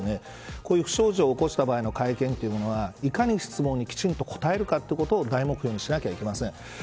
こういう不祥事を起こした場合の会見は、いかに質問にきちんと答えるかということを大目標にしなければいけません。